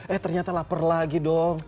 eh ternyata lapar lagi dong